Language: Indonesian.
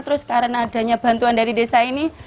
terus karena adanya bantuan dari desa ini